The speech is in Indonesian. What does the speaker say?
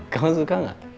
kamu suka gak